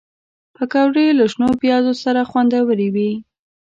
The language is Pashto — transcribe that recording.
پکورې له شنو پیازو سره خوندورې وي